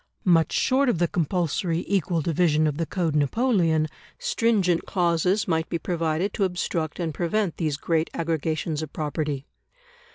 Much short of the compulsory equal division of the Code Napoleon, stringent clauses might be provided to obstruct and prevent these great aggregations of property.